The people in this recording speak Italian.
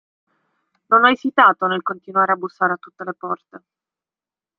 Non ho esitato nel continuare a bussare a tutte le porte.